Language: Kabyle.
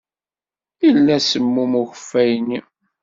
Yella semmum ukeffay-nni.